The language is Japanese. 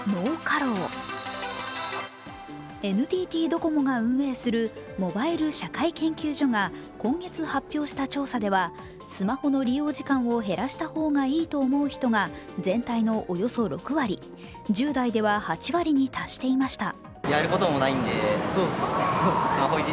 ＮＴＴドコモが運営するモバイル社会研究所が今月発表した調査ではスマホの利用時間を減らした方がいいと思う人が全体のおよそ６割、１０代では８割に達していました。